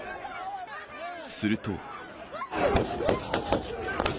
すると。